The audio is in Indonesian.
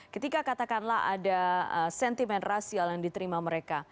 ketika katakanlah ada sentimen rasial yang diterima mereka